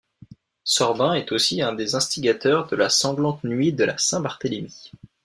Sorbin est aussi un des instigateurs de la sanglante nuit de la Saint-Barthélemy.